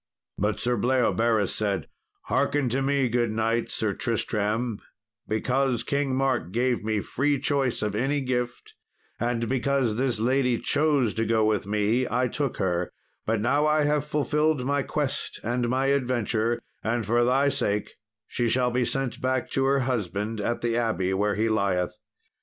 But Sir Bleoberis said, "Hearken to me, good knight, Sir Tristram, because King Mark gave me free choice of any gift, and because this lady chose to go with me, I took her; but now I have fulfilled my quest and my adventure, and for thy sake she shall be sent back to her husband at the abbey where he lieth."